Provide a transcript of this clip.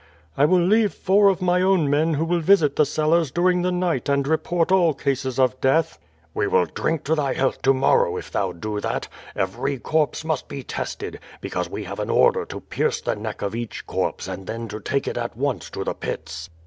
"I will leave four of my own men who will visit the cellars during the night and report all cases of death." "We will drink to thy health to morrow if thou do that, l^^very corpse must be tested, because we have an order to pierce the neck of each corpse and then to take it at once to the Pits."